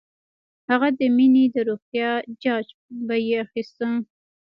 هغه د مينې د روغتيا جاج به یې اخيسته